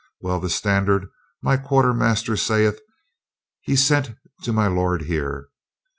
Well, the standard, my quartermaster saith, he sent to my lord here.